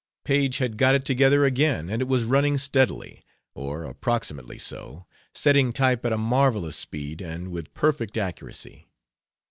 Paige had got it together again and it was running steadily or approximately so setting type at a marvelous speed and with perfect accuracy.